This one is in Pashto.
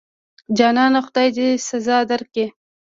جانانه خدای دې سزا درکړي.